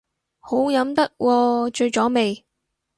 好飲得喎，醉咗未